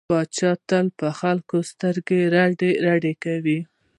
پاچا تل په خلکو سترګې رډې رډې کوي.